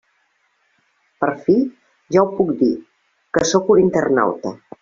Per fi ja ho puc dir, que sóc un internauta.